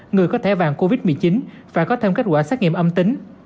người có thẻ vàng covid một mươi chín và có thêm kết quả xét nghiệm âm tính